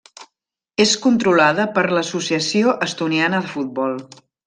És controlada per l'Associació Estoniana de Futbol.